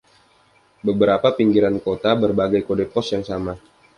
Beberapa pinggiran kota berbagi kode pos yang sama.